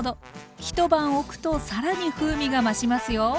一晩おくと更に風味が増しますよ。